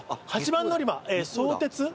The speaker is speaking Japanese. ８番乗り場相鉄？